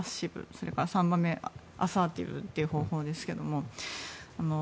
それから３番目はアサーティブという方法ですが。